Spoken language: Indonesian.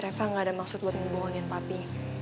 rafa tidak ada maksud untuk membohongi papi